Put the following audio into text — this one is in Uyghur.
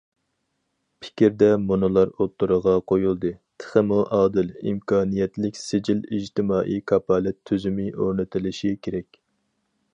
« پىكىر» دە مۇنۇلار ئوتتۇرىغا قويۇلدى: تېخىمۇ ئادىل، ئىمكانىيەتلىك سىجىل ئىجتىمائىي كاپالەت تۈزۈمى ئورنىتىلىشى كېرەك.